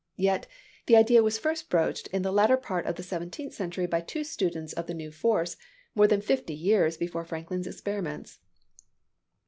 Yet, the idea was first broached in the latter part of the seventeenth century by two students of the new force, more than fifty years before Franklin's experiments.